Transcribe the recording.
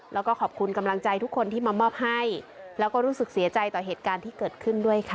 แล้วก็ขอบคุณกำลังใจทุกคนที่มามอบให้แล้วก็รู้สึกเสียใจต่อเหตุการณ์ที่เกิดขึ้นด้วยค่ะ